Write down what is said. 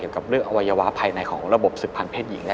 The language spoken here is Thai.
อยู่กับเรื่องอวัยวะภายในของระบบสิทธิ์ภาพเพศหญิงได้